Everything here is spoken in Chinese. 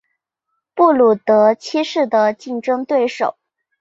布鲁德七世的竞争对手。